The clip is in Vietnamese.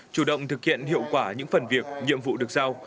chủ động thực hiện hiệu quả những phần việc nhiệm vụ được giao